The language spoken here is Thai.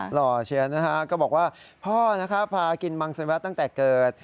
หล่อเชียร์นะฮะก็บอกว่าพ่อนะครับพากินมังสแวร์ตั้งแต่เกิด